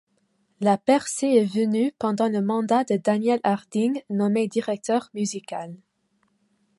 La percée est venue pendant le mandat de Daniel Harding nommé directeur musical.